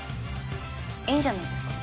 いいんじゃないですか。